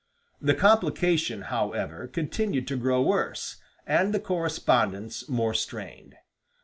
The complication, however, continued to grow worse, and the correspondence more strained.